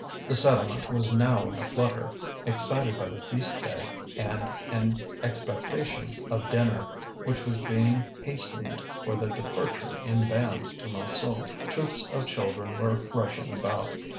The settlement was now in a flutter, excited by the feast day, and in expectation of dinner, which was being hastened for the departure in bands to Montsou. Troops of children were rushing about.